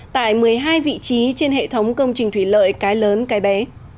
tại một mươi hai vị trí trên hệ thống công trình thủy lợi cái lớn cái bé